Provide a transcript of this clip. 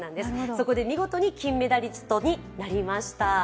そこで見事に金メダリストになりました。